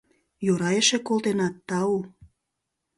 Йӧра эше колтенат, тау.